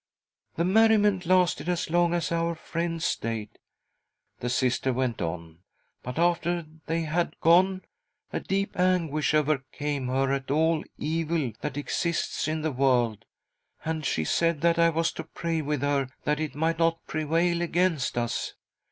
" The merriment lasted as long as our friends stayed," the Sister went on, " but after they had gone, a deep anguish overcame her at all the evil that exists in the world, and she said that I was to pray with her that it might not prevail against us.